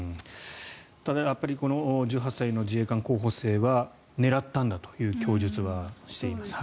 ただ１８歳の自衛官候補生は狙ったんだという供述はしていますね。